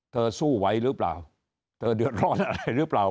สู้ไหวหรือเปล่าเธอเดือดร้อนอะไรหรือเปล่า